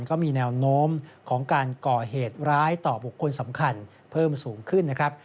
ก็มีแนวโน้มของการก่อเหตุร้ายต่อบุคคลสำคัญเพิ่มสูงขึ้นนะครับ